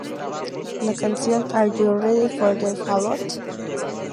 La canción "Are You Ready For The Fallout?